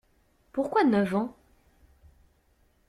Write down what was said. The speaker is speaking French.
Pourquoi neuf ans?